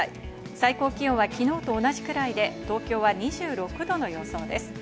最高気温は昨日と同じくらいで、東京は２６度の予想です。